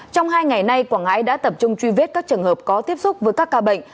trong hai ngày nay quảng ngãi đã tập trung truy vết các trường hợp có tiếp xúc với các ca bệnh